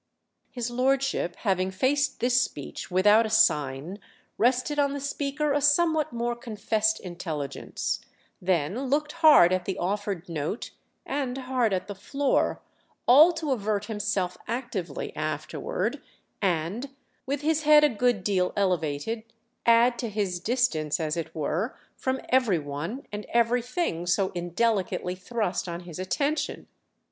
His lordship, having faced this speech without a sign, rested on the speaker a somewhat more confessed intelligence, then looked hard at the offered note and hard at the floor—all to avert himself actively afterward and, with his head a good deal elevated, add to his distance, as it were, from every one and everything so indelicately thrust on his attention.